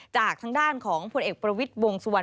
จากทางด้านของผลเอกประวิทย์วงสุวรร